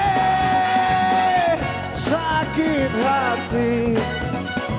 kerjaannya sembahyang mengaji